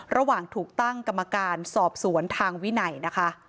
ระหว่างถูกตั้งกรรมการสอบสวนทางวินัยนะคะ